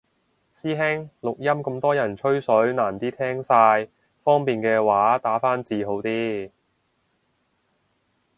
師兄，錄音咁多人吹水難啲聽晒，方便嘅話打返字好啲